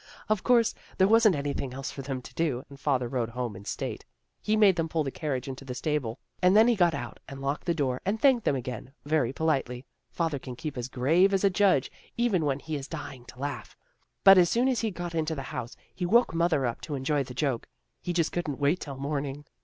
Of course there wasn't anything else for them to do, and father rode home in state. He made them pull the carriage into the stable, and then he got out and locked the door and thanked them again, very politely. Father can keep as grave as a judge even when he is dying to laugh. But as soon as he got into the house he woke mother up to enjoy the joke. He just couldn't wait till morning."